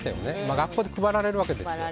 学校で配られるわけですよ。